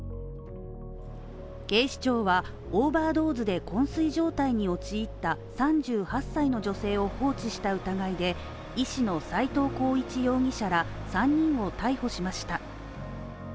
警視庁はオーバードーズでこん睡状態に陥った３８歳の女性を放置した疑いで医師の斎藤浩一容疑者ら３人を逮捕しました。